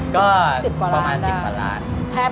ขอบคุณครับ